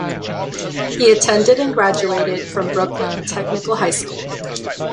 He attended and graduated from Brooklyn Technical High School.